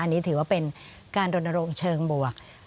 อันนี้ถือว่าเป็นการรณรงค์เชิงบวก